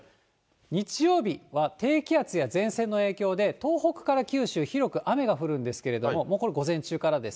日曜日は低気圧や前線の影響で、東北から九州、広く雨が降るんですけれども、もうこれ、午前中からです。